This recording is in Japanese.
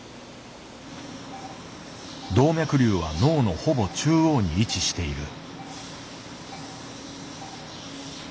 動脈瘤は脳のほぼ中央に位置している。